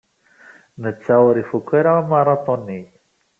Netta ur ifuk ara amaraṭun-nni.